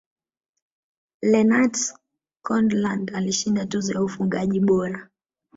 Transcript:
lennart skoglund alishinda tuzo ya ufungaji bora